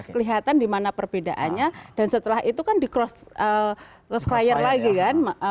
kelihatan dimana perbedaannya dan setelah itu kan di cross client lagi kan